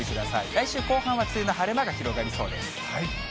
来週後半は梅雨の晴れ間が広がりそうです。